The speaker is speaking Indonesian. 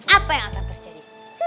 apa yang akan terjadi